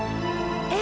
eang tahu ya